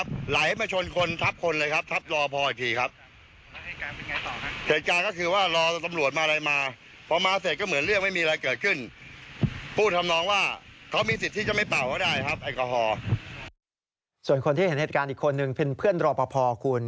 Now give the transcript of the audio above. ส่วนคนที่เห็นเหตุการณ์อีกคนนึงเป็นเพื่อนรอปภคุณ